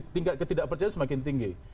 tingkat ketidakpercayaan semakin tinggi